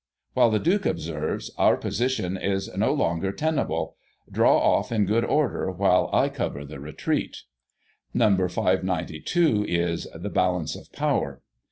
While the Duke observes :" Our position is no longer ten able ; draw off in good order, while I cover the retreat." No. 592 is " The Balance of Power.